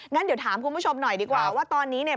งั้นเดี๋ยวถามคุณผู้ชมหน่อยดีกว่าว่าตอนนี้เนี่ย